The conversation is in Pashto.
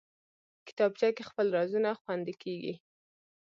کتابچه کې خپل رازونه خوندي کېږي